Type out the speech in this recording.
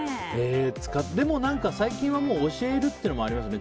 でも、最近は教えるっていうのもありますね。